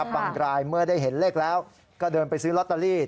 บางรายเมื่อได้เห็นเลขแล้วก็เดินไปซื้อลอตเตอรี่